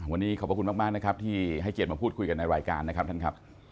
วันนี้ขอบพระคุณมากนะครับที่ให้เกียรติมาพูดคุยกันในรายการนะครับท่านครับ